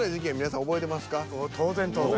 当然当然。